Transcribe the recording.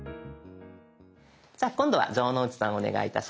じゃあ今度は城之内さんお願いいたします。